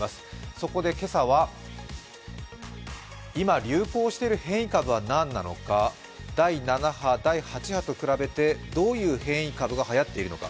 そこで今朝は今、流行している変異株は何なのか第７波、第８波と比べてどういう変異株がはやっているのか。